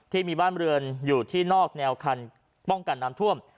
ที่มีบ้านเรือนอยู่ที่นอกแนวคันป้องกันน้ำท่วม